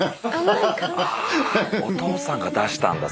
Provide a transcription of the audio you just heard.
あお父さんが出したんだ外に。